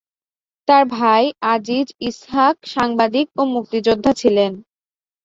তার ভাই আজিজ ইসহাক সাংবাদিক ও মুক্তিযোদ্ধা ছিলেন।